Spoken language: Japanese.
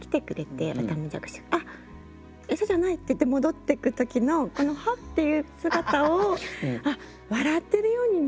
「あっ餌じゃない」っていって戻ってく時のこの「はっ！」っていう姿を笑ってるように見えたんだ